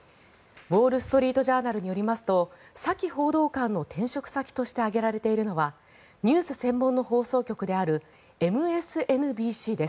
ウォール・ストリート・ジャーナルによりますとサキ報道官の転職先として挙げられているのはニュース専門の放送局であるＭＳＮＢＣです。